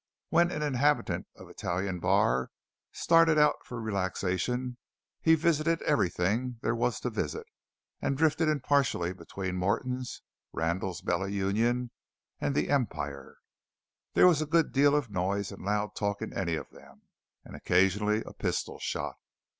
When an inhabitant of Italian Bar started out for relaxation, he visited everything there was to visit, and drifted impartially between Morton's, Randall's Bella Union, and the Empire. There was a good deal of noise and loud talk in any of them; and occasionally a pistol shot.